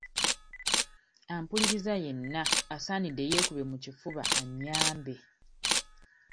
Ampuliriza yenna asaanidde yeekube mu kifuba annyambe.